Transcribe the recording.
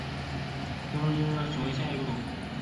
仓田蹄盖蕨为蹄盖蕨科蹄盖蕨属下的一个种。